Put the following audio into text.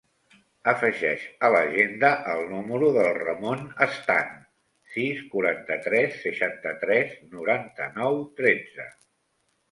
Afegeix a l'agenda el número del Ramon Stan: sis, quaranta-tres, seixanta-tres, noranta-nou, tretze.